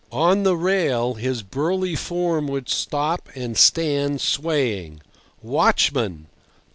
On the rail his burly form would stop and stand swaying. "Watchman!"